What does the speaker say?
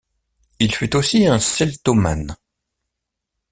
Il fut aussi un celtomane.